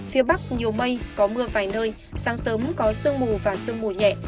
phía bắc nhiều mây có mưa vài nơi sáng sớm có sương mù và sương mù nhẹ